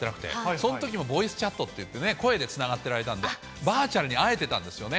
そのときにボイスチャットっていってね、声でつながってられたんで、バーチャルに会えてたんですよね。